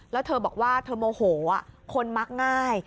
แล้วเธอบอกว่าเธอโมโหคนมักง่าย